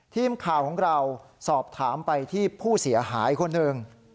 ทีมข่าวของเราสอบถามไปที่ผู้เสียหายคนหนึ่ง